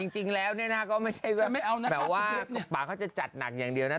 แต่จริงแล้วก็ไม่ใช่แบบว่าปากเขาจะจัดหนักอย่างเดียวนะ